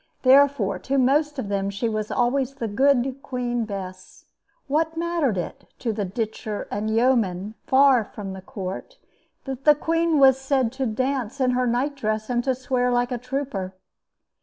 Therefore, to most of them she was always the good Queen Bess. What mattered it to the ditcher and yeoman, far from the court, that the queen was said to dance in her nightdress and to swear like a trooper?